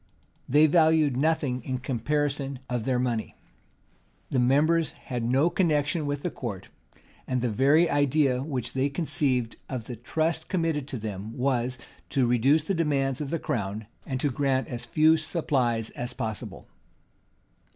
They valued nothing in comparison of their money: the members had no connection with the court; and the very idea which they conceived of the trust committed to them, was, to reduce the demands of the crown, and to grant as few supplies as possible.